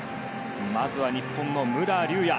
まずは日本の武良竜也。